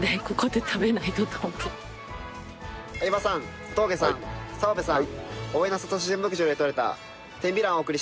相葉さん小峠さん澤部さん。